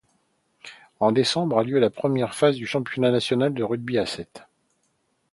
En décembre a lieu la première phase du championnat national de rugby à sept.